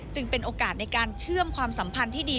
เป็นโอกาสในการเชื่อมความสัมพันธ์ที่ดี